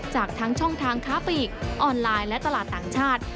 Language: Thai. จากทั้งช่องทางค้าปีกออนไลน์และตลาดต่างชาติ